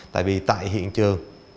tại vì tại hiện trường